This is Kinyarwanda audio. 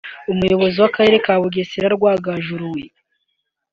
Umuyobozi w’Akarere ka Bugesera Rwagaju Louis